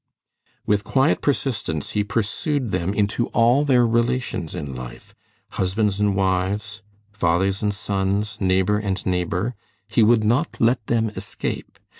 With quiet persistence he pursued them into all their relations in life husbands and wives, fathers and sons, neighbor and neighbor. He would not let them escape.